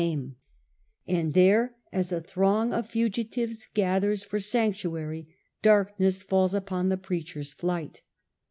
name, and there, as a throng of fugitives gathers for sanctuary, darkness falls upon the preacher's flight.